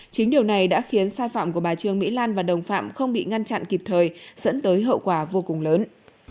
chính điều này đã khiến sai phạm của bà trương mỹ lan và đồng phạm không bị ngăn chặn kịp thời dẫn tới hậu quả vô cùng lớn